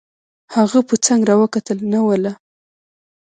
هغه په څنګ را وکتل: نه والله.